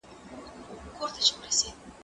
زه سفر کړی دی.